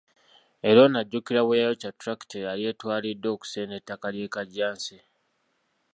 Era ono ajjukirwa bwe yayokya tulakita eyali etwaliddwa okusenda ettaka ly'e Kajjansi.